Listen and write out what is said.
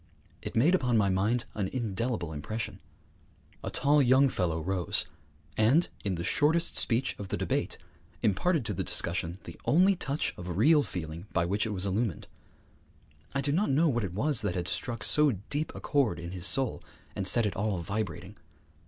It made upon my mind an indelible impression. A tall young fellow rose, and, in the shortest speech of the debate, imparted to the discussion the only touch of real feeling by which it was illumined. I do not know what it was that had struck so deep a chord in his soul and set it all vibrating.